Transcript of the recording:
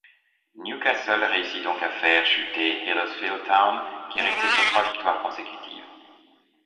Newcastle réussit donc à faire chuter Huddersfield Town qui restait sur trois victoires consécutives.